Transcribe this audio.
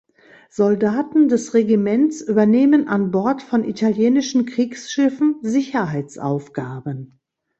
Soldaten des Regiments übernehmen an Bord von italienischen Kriegsschiffen Sicherheitsaufgaben.